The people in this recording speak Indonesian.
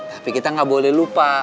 tapi kita nggak boleh lupa